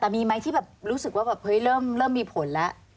แต่มีไหมที่แบบรู้สึกว่าแบบเฮ้ยเริ่มมีผลแล้ว